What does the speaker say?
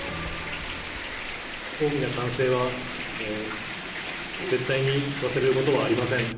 大きな歓声は、絶対に忘れることはありません。